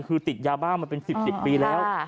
คือติดยาบ้างมาเป็นสิบสิบปีแล้ว